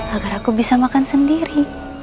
agar aku bisa makan sendiri